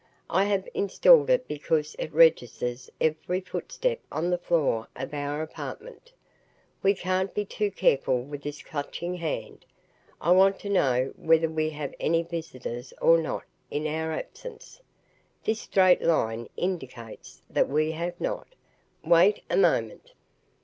"I have installed it because it registers every footstep on the floor of our apartment. We can't be too careful with this Clutching Hand. I want to know whether we have any visitors or not in our absence. This straight line indicates that we have not. Wait a moment."